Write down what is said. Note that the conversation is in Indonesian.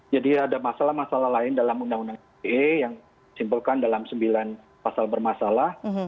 jadi ada masalah masalah lain dalam undang undang ite yang disimpulkan dalam sembilan pasal bermasalah